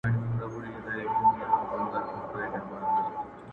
د شپې ویښ په ورځ ویده نه په کارېږي!!